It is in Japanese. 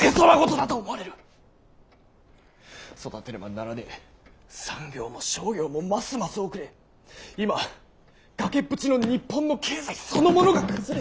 育てねばならねぇ産業も商業もますます遅れ今崖っぷちの日本の経済そのものが崩れちまうんだ！